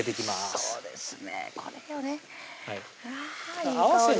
そうですね